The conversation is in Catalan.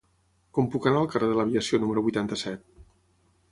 Com puc anar al carrer de l'Aviació número vuitanta-set?